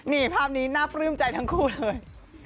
นี่ภาพนี้น่าปลื้มใจทั้งคู่เลย